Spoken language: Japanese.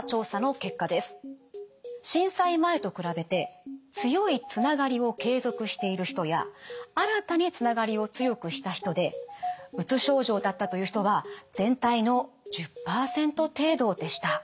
震災前と比べて強いつながりを継続している人や新たにつながりを強くした人でうつ症状だったという人は全体の１０％程度でした。